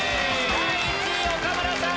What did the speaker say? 第１位岡村さん！